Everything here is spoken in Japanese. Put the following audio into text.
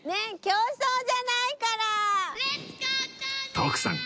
徳さん